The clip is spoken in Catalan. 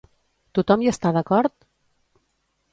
Tothom hi està d'acord?